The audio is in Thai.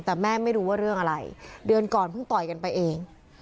แต่แม่ไม่รู้ว่าเรื่องอะไรเดือนก่อนเพิ่งต่อยกันไปเอง